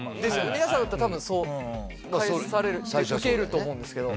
皆さんだったら多分そう受けると思うんですけど。